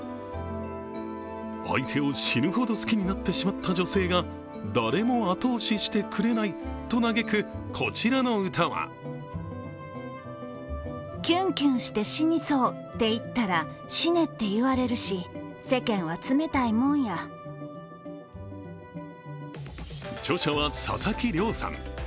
相手を死ぬほど好きになってしまった女性が誰も後押ししてくれないと嘆く、こちらのうたは著者は佐々木良さん。